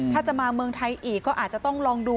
ถ้าจะมาเมืองไทยอีกก็อาจจะต้องลองดู